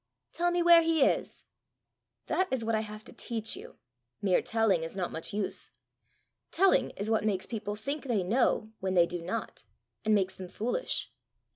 "Tell me where he is." "That is what I have to teach you: mere telling is not much use. Telling is what makes people think they know when they do not, and makes them foolish."